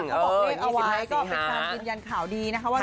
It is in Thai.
เขาบอกเลขเอาไว้ก็เป็นการยืนยันข่าวดีนะคะว่า